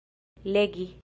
legi